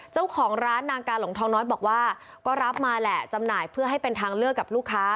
เจ้าของร้านนางกาหลงทองน้อยบอกว่าก็รับมาแหละจำหน่ายเพื่อให้เป็นทางเลือกกับลูกค้า